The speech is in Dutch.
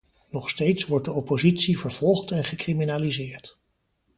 Nog steeds wordt de oppositie vervolgd en gecriminaliseerd.